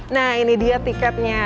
nah ini dia tiketnya